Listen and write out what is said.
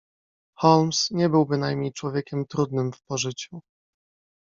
"Holmes nie był bynajmniej człowiekiem trudnym w pożyciu."